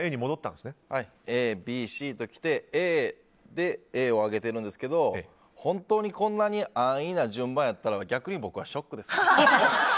ＡＢＣときてＡを挙げてるんですけど本当にこんな安易な順番だったら逆に僕はショックです。